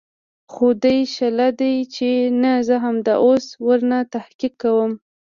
خو دى شله ديه چې نه زه همدا اوس ورنه تحقيق کوم.